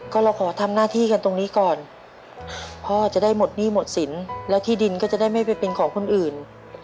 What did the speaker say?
ก็เราขอทำหน้าที่กันตรงนี้ก่อนพ่อจะได้หมดหนี้หมดสินแล้วที่ดินก็จะได้ไม่ไปเป็นของคนอื่น